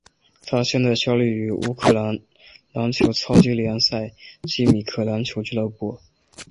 他现在效力于乌克兰篮球超级联赛基米克篮球俱乐部。